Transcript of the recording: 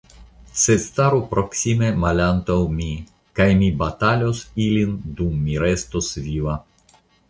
Sed staru proksime malantaŭ mi, kaj mi batalos ilin dum mi restos viva.